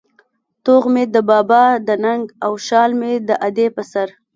توغ مې د بابا د ننگ او شال مې د ادې په سر